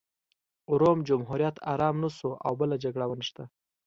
روم جمهوریت ارام نه شو او بله جګړه ونښته